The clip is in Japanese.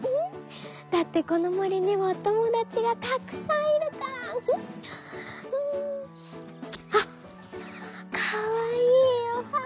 だってこのもりにはおともだちがたくさんいるから！あっかわいいおはな！